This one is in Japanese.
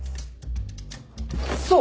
そう！